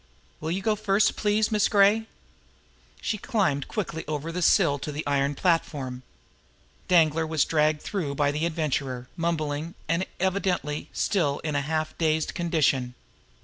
Will you go first, please, Miss Gray?" She climbed quickly over the sill to the iron platform. Danglar was dragged through by the Adventurer, mumbling, and evidently still in a half dazed condition.